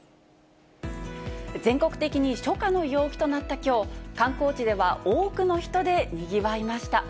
全国的に初夏の陽気となったきょう、観光地では多くの人でにぎわいました。